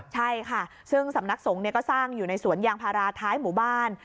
ใช่ค่ะซึ่งสำนักสงฆ์ก็สร้างอยู่ในสวนยางพาราท้ายหมู่บ้าน